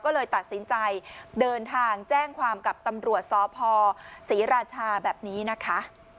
ก็เลยตัดสินใจเดินทางแจ้งความกับตำรวจสพศรีราชาแบบนี้นะคะ